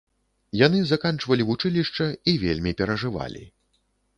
Яны заканчвалі вучылішча і вельмі перажывалі.